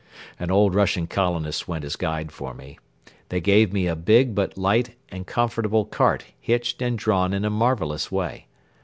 An old Russian colonist went as guide for me. They gave me a big but light and comfortable cart hitched and drawn in a marvelous way.